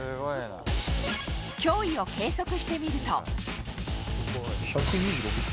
胸囲を計測してみると。